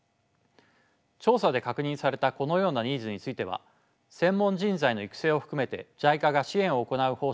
調査で確認されたこのようなニーズについては専門人材の育成を含めてＪＩＣＡが支援を行う方針を固めています。